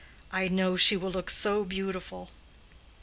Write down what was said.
"I know she will look so beautiful."